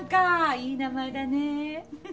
いい名前だね。